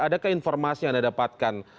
adakah informasi yang anda dapatkan